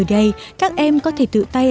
ở đây các em có thể tự tay